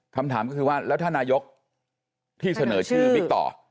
คำถามก็คือว่าแล้วท่านนายกที่เสนอชื่อบิ๊กต่อ